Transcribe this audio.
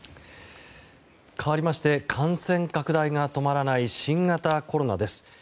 かわりまして、感染拡大が止まらない新型コロナです。